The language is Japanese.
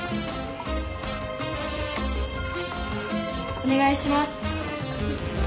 お願いします。